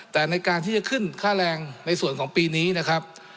แต่ในการที่จะขึ้นค่าแรงในส่วนของปีนี้นะครับ